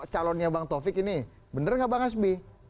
calonnya bang taufik ini benar nggak bang hasbi